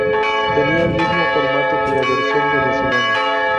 Tenía el mismo formato que la versión venezolana.